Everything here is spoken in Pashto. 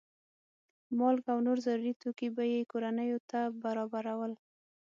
مالګه او نور ضروري توکي به یې کورنیو ته برابرول.